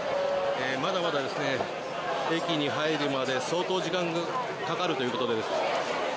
まだまだ駅に入るまで相当、時間がかかるということです。